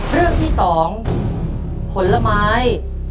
เรื่องที่๒ผลไม้